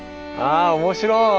あ面白い！